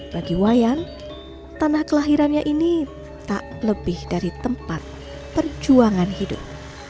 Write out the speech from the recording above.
bagi wayan tanah kelahirannya ini tak lebih dari tempat perjuangan hidup